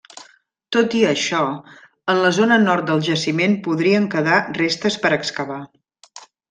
Tot i això, en la zona Nord del Jaciment podrien quedar restes per excavar.